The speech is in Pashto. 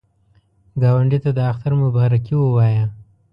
ګاونډي ته د اختر مبارکي ووایه